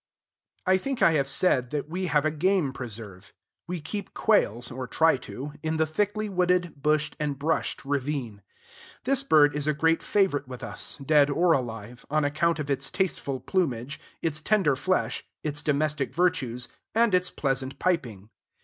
I think I have said that we have a game preserve. We keep quails, or try to, in the thickly wooded, bushed, and brushed ravine. This bird is a great favorite with us, dead or alive, on account of its tasteful plumage, its tender flesh, its domestic virtues, and its pleasant piping.